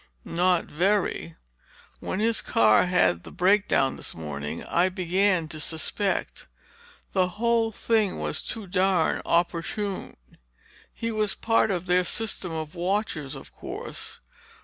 "Not very. When his car had the breakdown this morning I began to suspect. The whole thing was too darn opportune. He was part of their system of watchers, of course.